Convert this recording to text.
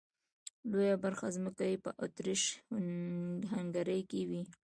لويه برخه ځمکې یې په اتریش هنګري کې وې.